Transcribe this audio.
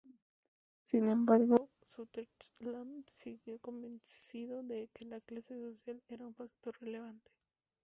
Sin embargo, Sutherland siguió convencido de que la clase social era un factor relevante.